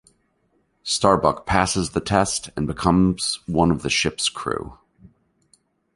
Starbuck passes the test and becomes one of the Ship's crew.